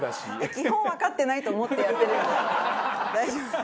基本わかってないと思ってやってるので大丈夫です。